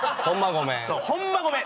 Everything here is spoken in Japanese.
「ホンマごめん。